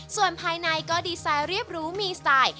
ส่วนภายในก็ดีไซน์เรียบรู้มีสไตล์